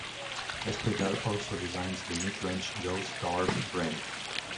Esquivel also designs the mid-range Joe's Garb brand.